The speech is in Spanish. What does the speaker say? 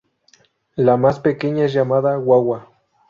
La más pequeña es llamada "wawa".